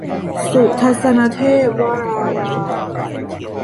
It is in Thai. สุทัศนเทพวราราม